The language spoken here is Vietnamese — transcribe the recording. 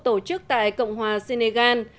tổ chức tại cộng hòa senegal